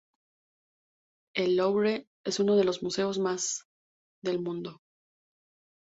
El Louvre es uno de los museos más del mundo.